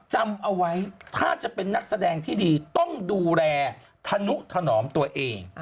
จำเอาไว้ถ้าจะเป็นนักแสดงที่ดีต้องดูแลธนุถนอมตัวเอง